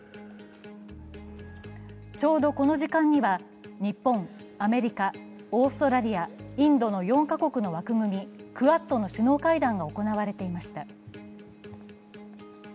ちょうどこの時間には、日本、アメリカ、オーストラリア、インドの４カ国の枠組み、クアッドの首脳会談が行われていました。